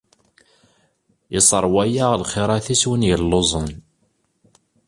Isseṛway s lxirat-is win yelluẓen.